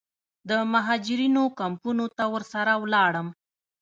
د مهاجرینو کمپونو ته ورسره ولاړم.